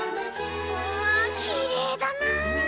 うわきれいだな！